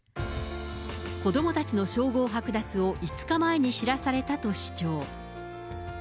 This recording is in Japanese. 子どもたちの称号剥奪を５日前に知らされたと主張。